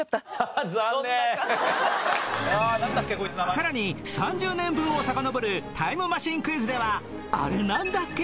さらに３０年分をさかのぼるタイムマシンクイズではあれなんだっけ？